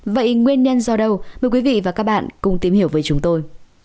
vậy nguyên nhân do đâu mời quý vị và các bạn cùng tìm hiểu với chúng tôi